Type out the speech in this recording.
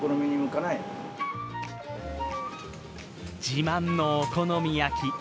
自慢のお好み焼き。